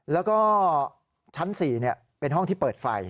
แล้วก็ชั้น๔เป็นห้องที่เปิดไฟ